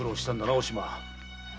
お島。